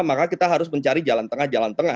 maka kita harus mencari jalan tengah jalan tengah